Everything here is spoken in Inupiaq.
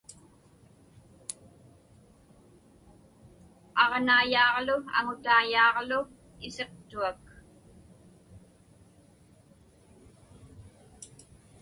Aġnaiyaaġlu aŋutaiyaaġlu isiqtuak.